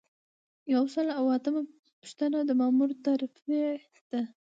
یو سل او اتمه پوښتنه د مامور ترفیع ده.